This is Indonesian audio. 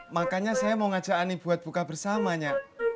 makanya saya mau ngajak ani buat buka bersamanya